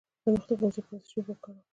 د مخ د ګونځو لپاره د څه شي اوبه وکاروم؟